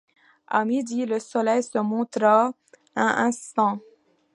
À midi, le soleil se montra un instant.